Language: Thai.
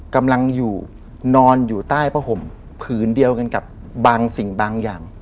กำลังอยู่นอนอยู่ใต้ผ้าห่มผืนเดียวกันกับบางสิ่งบางอย่าง